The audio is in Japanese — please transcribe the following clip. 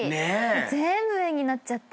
全部絵になっちゃって。